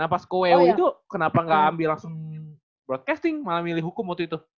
nah pas ke wo itu kenapa nggak ambil langsung broadcasting malah milih hukum waktu itu